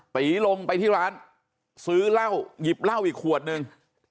ตีลงไปที่ร้านซื้อเหล้าหยิบเหล้าอีกขวดนึง